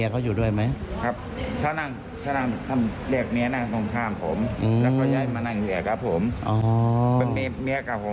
เป็นเมียกับผม